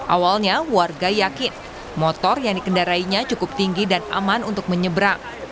awalnya warga yakin motor yang dikendarainya cukup tinggi dan aman untuk menyeberang